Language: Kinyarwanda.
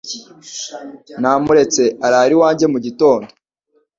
Namuretse arara iwanjye mu gitondo.